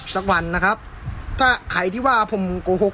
สักวันนะครับถ้าใครที่ว่าผมโกหก